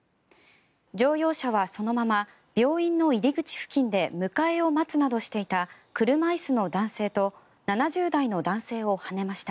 乗用車はそのまま病院の入り口付近で迎えを待つなどしていた車椅子の男性と７０代の男性をはねました。